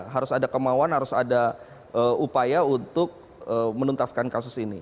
harus ada kemauan harus ada upaya untuk menuntaskan kasus ini